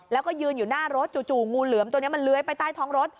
แล้วก็ยืนอยู่หน้ารถจู่งูเหลือมตัวนี้มันเลื้อยไปใต้ท้องรถ